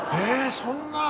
そんなあ。